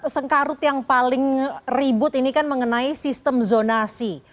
sengkarut yang paling ribut ini kan mengenai sistem zonasi